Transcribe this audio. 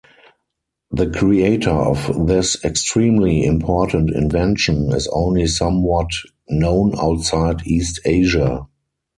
The creator of this extremely important invention is only somewhat known outside East Asia.